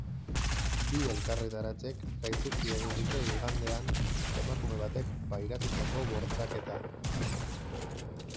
Bi elkarretaratzek gaitzetsi egin dute igandean emakume batek pairatutako bortxaketa.